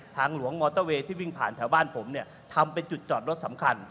ทางหลวงมอเตอร์เวย์ที่วิ่งผ่านแถวบ้านผมเนี่ยทำเป็นจุดจอดรถสำคัญ